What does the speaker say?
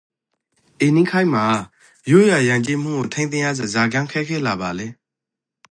အေနိခေတ်မှာရိုးရာယဉ်ကျေးမှုကိုထိန်းသိမ်းရစွာဇာကြောင့် ခက်ခဲလာပါလဲ?